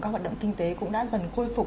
các hoạt động kinh tế cũng đã dần khôi phục